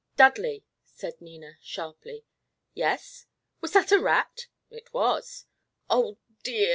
"Dudley!" said Nina, sharply. "Yes?" "Was that a rat?" "It was." "Oh, dear!